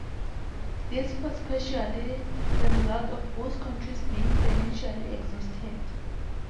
This was partially the result of both countries being financially exhausted.